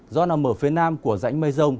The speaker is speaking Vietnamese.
do nằm ở phía nam của rãnh mây rông